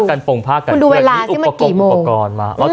คุณดูเวลาสิเมื่อกี่โมง